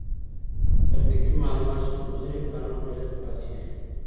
که تخنيکي معلومات شتون ولري کارونه به ژر خلاصيږي.